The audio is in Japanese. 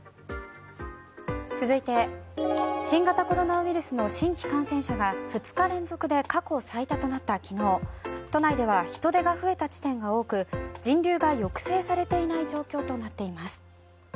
続いて新型コロナウイルスの新規感染者が２日連続で過去最多となった昨日都内では人出が増えた地点が多く人流が抑制されていない状況となっています。